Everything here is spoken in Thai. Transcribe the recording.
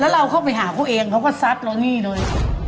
แล้วเราเข้าไปหาเขาเองเขาก็ซัดเรานี่เลย